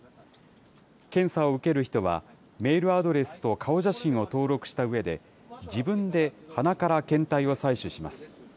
検査を受ける人は、メールアドレスと顔写真を登録したうえで、自分で鼻から検体を採取します。